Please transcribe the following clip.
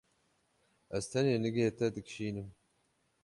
Ez tenê nigê te dikişînim.